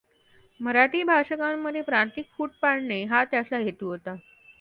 मराठी भाषिकांमध्ये प्रांतिक फूट पाडणे हा त्याचा हेतू होता.